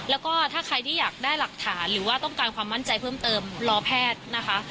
แล้วก็ถ้าใครที่อยากได้หลักฐานหรือว่าต้องการความมั่นใจเพิ่มเติมรอแพทย์นะคะ